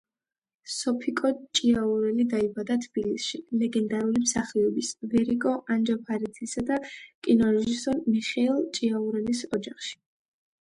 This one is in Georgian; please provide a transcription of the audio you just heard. სოფიკო ჭიაურელი დაიბადა თბილისში, ლეგენდარული მსახიობის ვერიკო ანჯაფარიძისა და კინორეჟისორ მიხეილ ჭიაურელის ოჯახში.